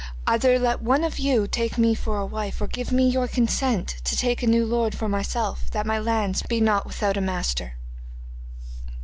'Either let one of you take me for a wife, or give me your consent to take a new lord for myself, that my lands be not without a master.